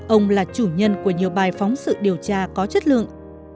ông là chủ nhân của nhiều bài phóng sự điều tra có chất lượng